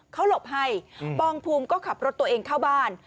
เขาหลบให้ปองภูมิก็ขับรถตัวเองเข้าบ้าน